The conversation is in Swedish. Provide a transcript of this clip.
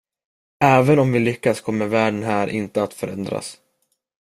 Även om vi lyckas kommer världen här inte att förändras.